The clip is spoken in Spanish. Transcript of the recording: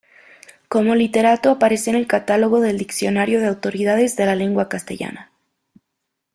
Como literato aparece en el Catálogo del Diccionario de Autoridades de la Lengua Castellana.